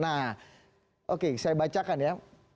nah oke saya bacakan ya